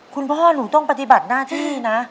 คุณพ่อหนูต้องปฏิบัติหน้าที่นะ